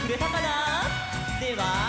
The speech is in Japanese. では。